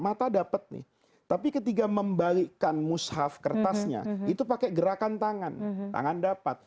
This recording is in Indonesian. mata dapat nih tapi ketika membalikkan mushaf kertasnya itu pakai gerakan tangan tangan dapat